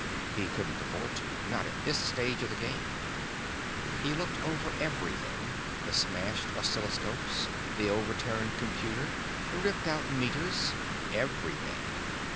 He couldn't afford to not at this stage of the game. He looked over everything the smashed oscilloscopes, the overturned computer, the ripped out meters everything.